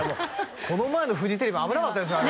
この前のフジテレビ危なかったですよ